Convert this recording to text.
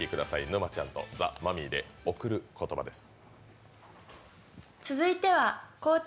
沼ちゃんとザ・マミィで「贈る言葉」です。